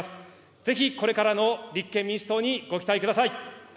ぜひこれからの立憲民主党にご期待ください。